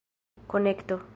konekto